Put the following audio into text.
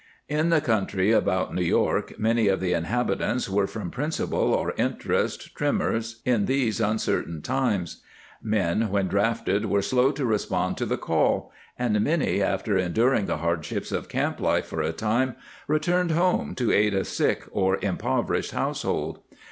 ^ In the country about New York many of the inhabitants were from principle or interest trim mers in those uncertain times. Men when draft ed were slow to respond to the call, and many, after enduring the hardships of camp life for a time, returned home to aid a sick or impoverished household.